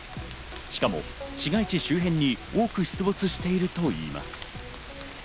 しかも市街地周辺に多く出没しているといいます。